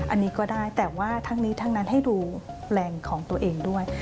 อันนี้ก็ได้แต่ว่าทั้งนี้ทั้งนั้นให้ดูแรงของตัวเองด้วย